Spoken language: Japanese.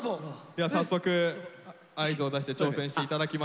では早速合図を出して挑戦して頂きましょう。